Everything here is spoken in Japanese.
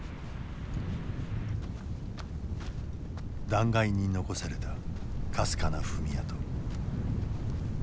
断崖に残されたかすかな踏み跡。